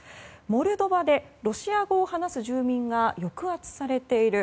モルドバでロシア語を話す住民が抑圧されている。